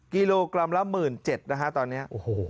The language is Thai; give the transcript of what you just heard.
กิโลกรัมละหมื่นเจ็ดนะฮะตอนนี้